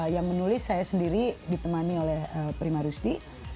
yang menulis saya sendiri ditemani oleh prima rusdi